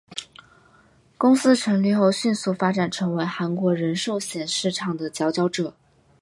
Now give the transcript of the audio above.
公司成立后迅速发展成为韩国人寿险市场的佼佼者。